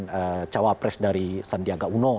dan cawapres dari sandiaga uno